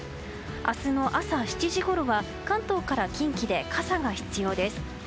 明日の朝７時ごろは関東から近畿で傘が必要です。